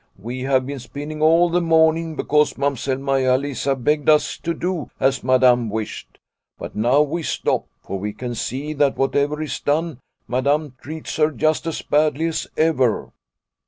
We have been spinning all the morning because Mamsell Maia Lisa begged us to do as Madam wished ; but now we stop, for we can see that whatever is done Madam treats her just as badly as ever."